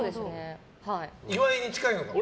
岩井に近いのかな。